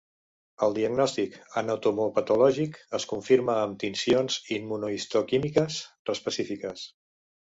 El diagnòstic anatomopatològic es confirma amb tincions immunohistoquímiques específiques.